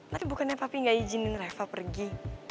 tadi bukannya papi gak izinin reva pergi